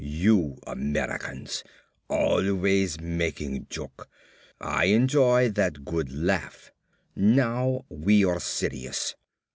"You Americans, always making joke. I enjoy that good laugh. Now we are serious.